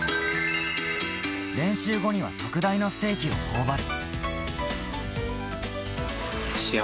練習後には特大のステーキをほおばる。